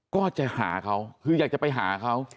ก็จะหาเขาคืออยากจะไปหาเขา